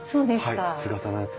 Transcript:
はい筒形のやつ。